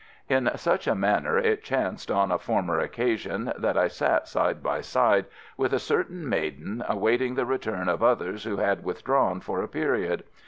In such a manner it chanced on a former occasion that I sat side by side with a certain maiden awaiting the return of others who had withdrawn for a period.